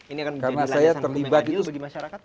ini akan menjadi layasan pembelajaran lagi bagi masyarakat